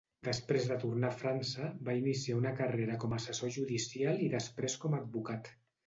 Després de tornar a França, va iniciar una carrera com assessor judicial i després com advocat.